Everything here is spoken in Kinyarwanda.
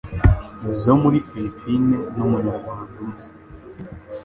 zo muri Philippine n'umunyarwanda umwe